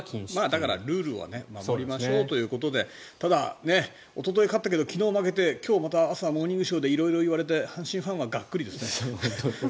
だから、ルールは守りましょうということでただ、おととい勝ったけど昨日負けて今日また、朝「モーニングショー」で色々言われて阪神ファンはがっくりですね。